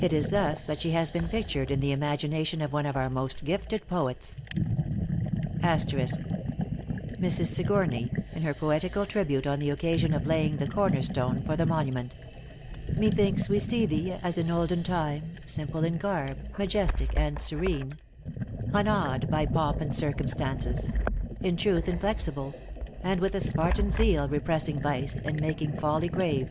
It is thus that she has been pictured in the imagination of one of our most gifted poets. Mrs. Sigourney, in her poetical tribute on the occasion of laying the corner stone for the monument, ```"Melhinks we see thee, as in olden time, ```Simple in garb, majestic and serene, ```Unawed by 'pomp and circumstances' in truth ```Inflexible and with a Spartan zeal ```Repressing vice, and making folly grave.